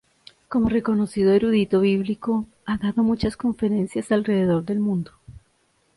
Como reconocido erudito bíblico, ha dado muchas conferencias alrededor del mundo.